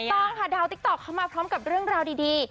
ต้องค่ะดาวติ๊กต๊อกเข้ามาพร้อมกับเรื่องราวดี